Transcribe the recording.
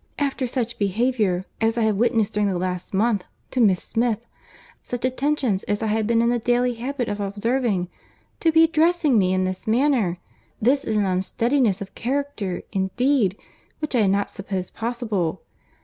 After such behaviour, as I have witnessed during the last month, to Miss Smith—such attentions as I have been in the daily habit of observing—to be addressing me in this manner—this is an unsteadiness of character, indeed, which I had not supposed possible!